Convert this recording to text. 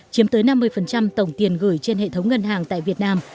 chiếm tới năm mươi tổng tiền gửi trên hệ thống ngân hàng tại việt nam